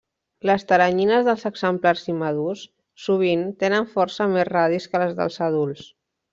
Les teranyines dels exemplars immadurs, sovint, tenen força més radis que les dels adults.